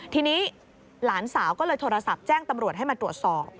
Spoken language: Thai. ทีนี้หลานสาวก็เลยโทรศัพท์แจ้งตำรวจให้มาตรวจสอบ